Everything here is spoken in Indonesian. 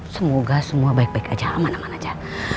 semoga semua baik baik aja aman aman aja